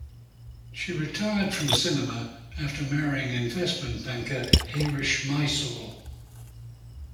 She retired from cinema after marrying investment banker Harish Mysore.